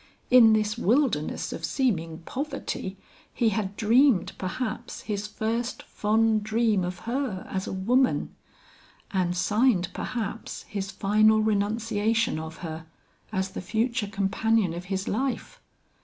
In this wilderness of seeming poverty, he had dreamed, perhaps, his first fond dream of her as a woman, and signed perhaps his final renunciation of her as the future companion of his life!